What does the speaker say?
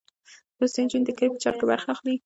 لوستې نجونې د کلي په چارو کې برخه اخلي.